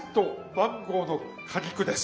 マンゴーの果肉です。